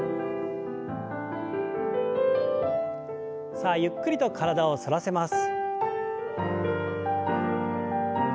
さあゆっくりと体を反らせます。